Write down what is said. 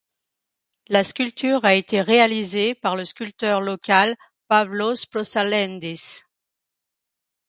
La sculpture a été réalisée par le sculpteur local Pavlos Prosalentis.